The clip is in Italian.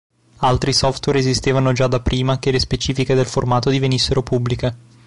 Altri software esistevano già da prima che le specifiche del formato divenissero pubbliche.